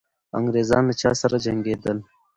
انګریزان له چا سره جنګېدل؟